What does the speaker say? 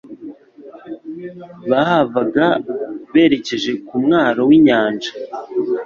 Bahavaga berekeza ku mwaro w'inyanja,